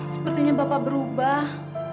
sepertinya bapak berubah